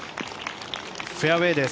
フェアウェーです。